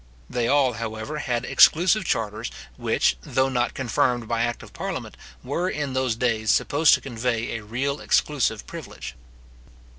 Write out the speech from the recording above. They all, however, had exclusive charters, which, though not confirmed by act of parliament, were in those days supposed to convey a real exclusive privilege.